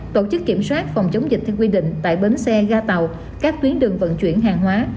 tổ chức kiểm soát phòng chống dịch theo quy định tại bến xe ga tàu các tuyến đường vận chuyển hàng hóa